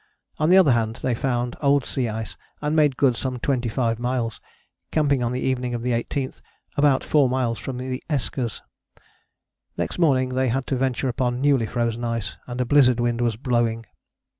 On the other hand they found old sea ice and made good some 25 miles, camping on the evening of the 18th about four miles from the Eskers. Next morning they had to venture upon newly frozen ice, and a blizzard wind was blowing.